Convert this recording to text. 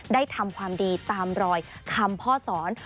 ทำความดีตามรอยคำพ่อสอน